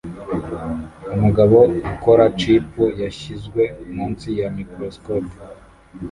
umugabo ukora chip yashizwe munsi ya microscope